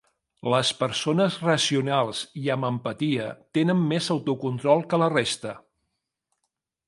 Les persones racionals i amb empatia tenen més autocontrol que la resta.